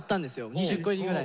２０個入りぐらいの。